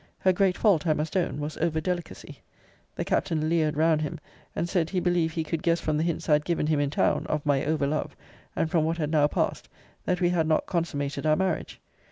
Her great fault, I must own, was over delicacy. The Captain leered round him; and said, he believed he could guess from the hints I had given him in town (of my over love) and from what had now passed, that we had not consummated our marriage.